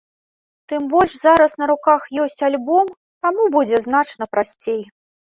Тым больш зараз на руках ёсць альбом, таму будзе значна прасцей.